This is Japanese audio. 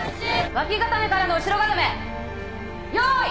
脇固めからの後ろ固め用意！